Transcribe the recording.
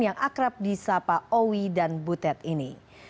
yang akrab di sapa owi dan butet ini